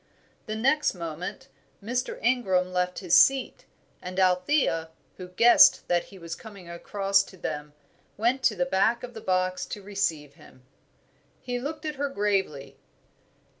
The next moment Mr. Ingram left his seat, and Althea, who guessed that he was coming across to them, went to the back of the box to receive him. He looked at her gravely.